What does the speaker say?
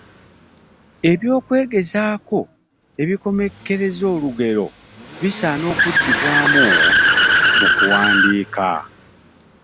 Ebyokwegezaako ebikomekkereza olugero bisaana okuddibwamu mu kuwandiika.